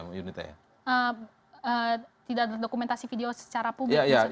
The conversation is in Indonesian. tidak berdokumentasi video secara publik